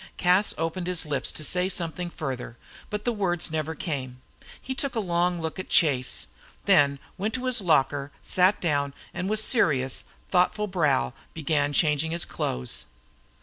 Cas opened his lips to say something further, but the words never came. He took a long look at Chase, then went to his locker, sat down, and with serious, thoughtful brow began changing his clothes.